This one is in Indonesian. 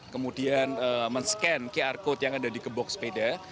kemudian men scan qr code yang ada di gebok sepeda